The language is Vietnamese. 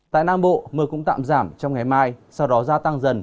tại nam bộ mưa cũng tạm giảm trong ngày mai sau đó gia tăng dần